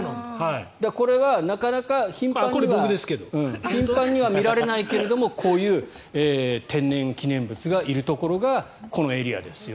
これがなかなか頻繁には見られないけどこういう天然記念物がいるところがこのエリアですよ。